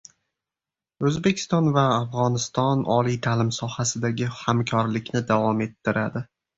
O‘zbekiston va Afg‘oniston oliy ta’lim sohasidagi hamkorlikni davom ettiradi